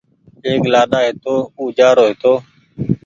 ايڪ لآڏآ هيتو او جآرو هيتو